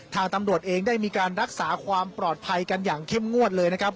ทางตำรวจเองได้มีการรักษาความปลอดภัยกันอย่างเข้มงวดเลยนะครับ